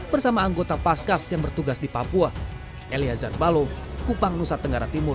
bersama anggota paskas yang bertugas di papua elia zarbalo kupang nusa tenggara timur